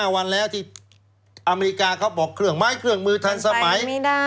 วันแล้วที่อเมริกาเขาบอกเครื่องไม้เครื่องมือทันสมัย